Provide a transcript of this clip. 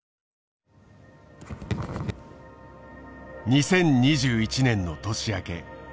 ２０２１年の年明け。